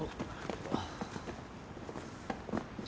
あっ。